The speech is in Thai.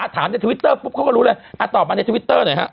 ถามในทวิตเตอร์ปุ๊บเขาก็รู้เลยตอบมาในทวิตเตอร์หน่อยฮะ